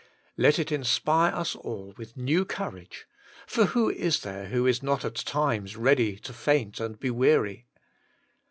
Let it inspire us all with new courage — for who is there who is not at times ready to faint and be weary?